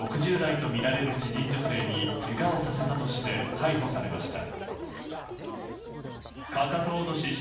５日未明６０代とみられる知人女性にけがをさせたとして逮捕されました。